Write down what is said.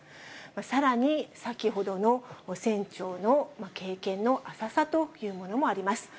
さらに、先ほどの船長の経験の浅さというものもあります。